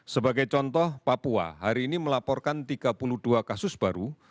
sebagai contoh papua hari ini melaporkan tiga puluh dua kasus baru